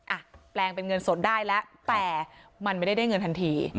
แปลงเป็นเงินสดได้แล้วแต่มันไม่ได้ได้เงินทันที